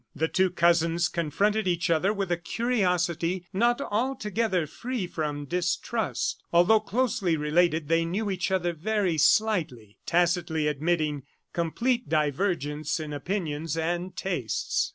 The two cousins confronted each other with a curiosity not altogether free from distrust. Although closely related, they knew each other very slightly, tacitly admitting complete divergence in opinions and tastes.